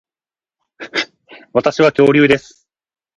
私は恐竜です